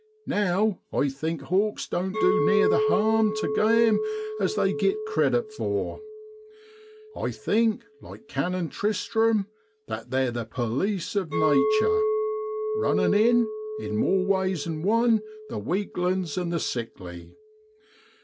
Now, I think hawks doan't du near the harm tu game as they git credit for. I think, like Canon Tristram, that ' they're the perlice of nature ' runnin 9 in, in more ways 'an one, the weaklin's and the sickly.